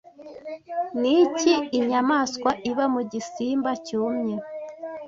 Niki inyamaswa iba mu Gisimba cyumye